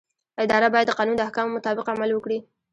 اداره باید د قانون د احکامو مطابق عمل وکړي.